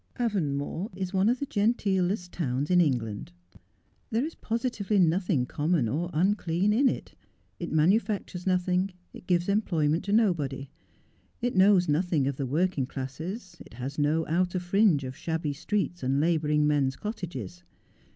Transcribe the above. Avonmore is one of the genteelest towns in England. There is positively nothing common or unclean in it. It manufactures nothing, it gives employment to nobody, it knows nothing of the working classes, it has no outer fringe of shabby streets and labouring men's cottages.